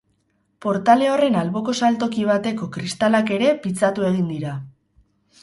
Portale horren alboko saltoki bateko kristalak ere pitzatu egin dira.